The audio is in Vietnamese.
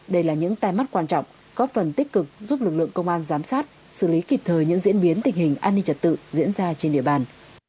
đây là những tai mắt quan trọng góp phần tích cực giúp lực lượng công an giám sát xử lý kịp thời những diễn biến tình hình an ninh trật tự diễn ra trên địa bàn